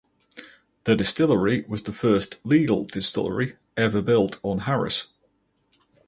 The distillery was the first legal distillery ever built on Harris.